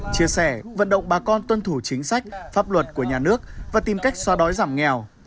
chia sẻ vận động bà con tuân thủ chính sách pháp luật của nhà nước và tìm cách xóa đói giảm nghèo